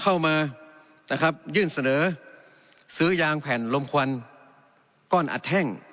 เข้ามานะครับยื่นเสนอซื้อยางแผ่นลมควันก้อนอัดแท่ง